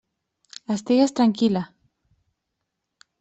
Estigues tranquil·la.